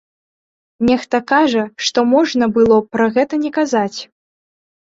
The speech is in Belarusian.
Нехта кажа, што можна было б пра гэта не казаць.